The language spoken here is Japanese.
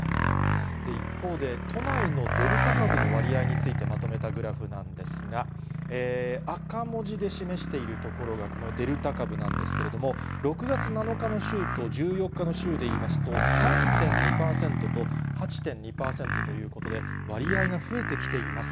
一方で、都内のデルタ株の割合についてまとめたグラフなんですが、赤文字で示しているところがこのデルタ株なんですけれども、６月７日の週と１４日の週でいいますと、３．２％と８．２％ということで、割合が増えてきています。